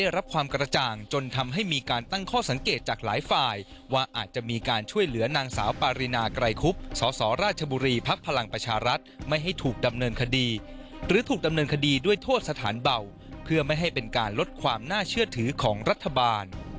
รับความกระจ่างจนทำให้มีการตั้งข้อสังเกตจากหลายฝ่ายว่าอาจจะมีการช่วยเหลือนางสาวปารินาไกรคุบสสราชบุรีภักดิ์พลังประชารัฐไม่ให้ถูกดำเนินคดีหรือถูกดำเนินคดีด้วยโทษสถานเบาเพื่อไม่ให้เป็นการลดความน่าเชื่อถือของรัฐบาล